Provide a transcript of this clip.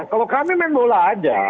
kalau kami main bola aja